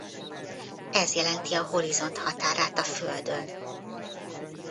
Ez jelenti a horizont határát a földön.